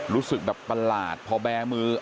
รู้สึกแบบประหลาดพอแบร์มือ